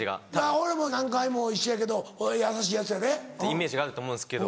俺も何回も一緒やけど優しいヤツやで。ってイメージがあると思うんですけど